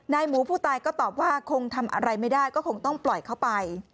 หมูผู้ตายก็ตอบว่าคงทำอะไรไม่ได้ก็คงต้องปล่อยเข้าไป